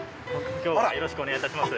今日はよろしくお願いいたします。